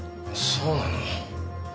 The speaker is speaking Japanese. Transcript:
そうなの。